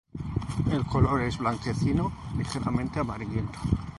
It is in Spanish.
El color es blanquecino, ligeramente amarillento.